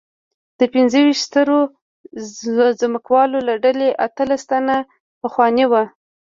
د پنځه ویشت سترو ځمکوالو له ډلې اتلس تنه پخواني وو.